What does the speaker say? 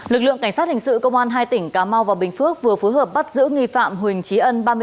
lực lượng cảnh sát hình sự công an hai tỉnh cá mau và bình phước vừa phối hợp bắt giữ nghi phạm